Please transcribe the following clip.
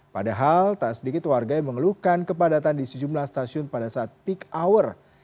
padahal tak sedikit warga yang mengeluhkan kepadatan di sejumlah stasiun pada saat peak hour